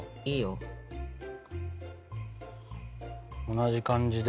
同じ感じで。